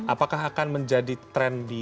apakah akan menjadi tren di dua ribu dua puluh tiga